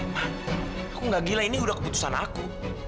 ma aku gak gila ini udah keputusan aku